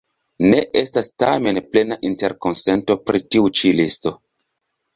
Ne estas tamen plena interkonsento pri tiu ĉi listo.